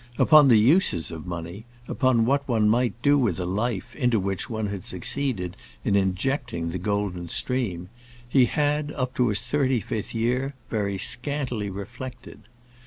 Upon the uses of money, upon what one might do with a life into which one had succeeded in injecting the golden stream, he had up to his thirty fifth year very scantily reflected.